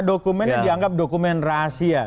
dokumennya dianggap dokumen rahasia